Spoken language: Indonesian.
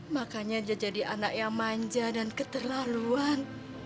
makanya dia jadi anak yang manja dan keterlaluan